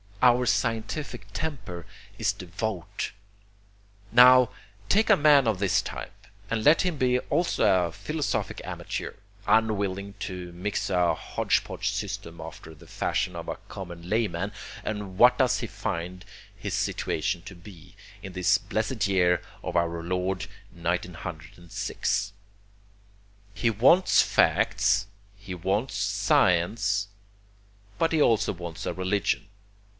Our scientific temper is devout. Now take a man of this type, and let him be also a philosophic amateur, unwilling to mix a hodge podge system after the fashion of a common layman, and what does he find his situation to be, in this blessed year of our Lord 1906? He wants facts; he wants science; but he also wants a religion.